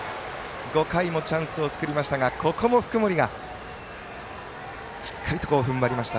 ５回もチャンスを作りましたがここも福盛がしっかりと踏ん張りました。